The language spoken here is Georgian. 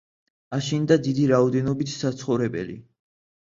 აშენდა დიდი რაოდენობით საცხოვრებელი.